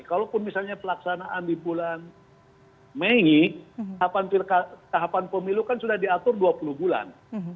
kalaupun misalnya pelaksanaan di bulan mei tahapan pemilu kan sudah diatur dua puluh bulan